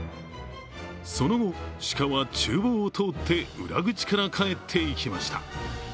その後、鹿は厨房を通って裏口から帰っていきました。